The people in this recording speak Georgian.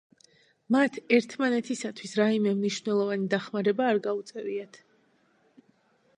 მათ ერთმანეთისათვის რაიმე მნიშვნელოვანი დახმარება არ გაუწევიათ.